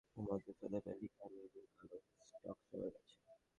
সরু ঠোঁট-গুলিন্দার বন্ধু পাখিদের মধ্যে সাদা পেলিক্যান এবং কালো স্টর্ক সবাই আছে।